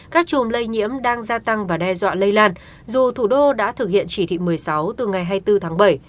các chùm lây nhiễm đang gia tăng và đe dọa lây lan dù thủ đô đã thực hiện chỉ thị một mươi sáu từ ngày hai mươi bốn tháng bảy